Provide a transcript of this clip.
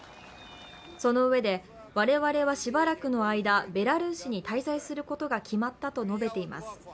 そのうえで、我々はしばらくの間、ベラルーシに滞在することが決まったと述べています。